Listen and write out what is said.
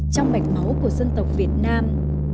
trong mảnh máu của dân tộc việt nam